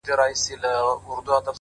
ځوان ولاړ سو!!